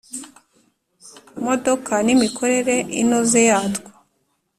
modoka n imikorere inoze yatwo